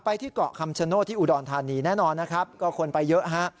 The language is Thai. ที่เกาะคำชโนธที่อุดรธานีแน่นอนนะครับก็คนไปเยอะฮะ